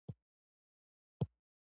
غریب له خدای نه بل څوک نه لري